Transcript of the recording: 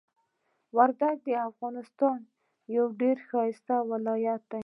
وردګ د افغانستان یو ډیر ښایسته ولایت ده.